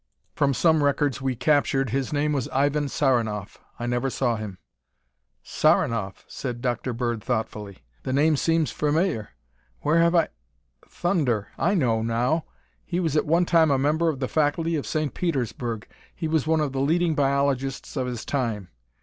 "From some records we captured, his name was Ivan Saranoff. I never saw him." "Saranoff?" said Dr. Bird thoughtfully. "The name seems familiar. Where have I Thunder! I know now. He was at one time a member of the faculty of St. Petersburg. He was one of the leading biologists of his time.